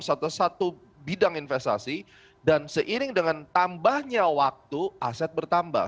satu satu bidang investasi dan seiring dengan tambahnya waktu aset bertambah